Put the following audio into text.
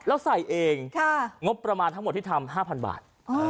แล้วใส่เองงบประมาณทั้งหมดที่ทำ๕๐๐บาท